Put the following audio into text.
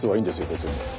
別に。